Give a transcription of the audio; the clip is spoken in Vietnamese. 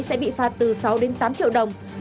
sẽ bị phạt từ sáu tám triệu đồng